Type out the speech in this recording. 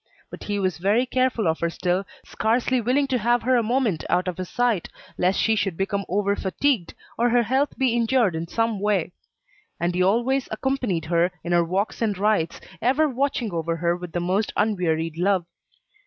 But he was very careful of her still, scarcely willing to have her a moment out of his sight, lest she should become over fatigued, or her health be injured in some way; and he always accompanied her in her walks and rides, ever watching over her with the most unwearied love.